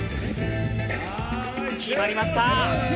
決まりました。